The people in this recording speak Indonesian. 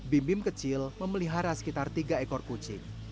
bim bim kecil memelihara sekitar tiga ekor kucing